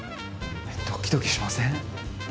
ドキドキしません？